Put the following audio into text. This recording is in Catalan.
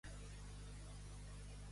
Tenir una bona ratxa.